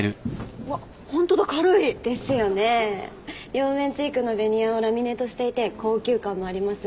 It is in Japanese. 両面チークのベニヤをラミネートしていて高級感もあります。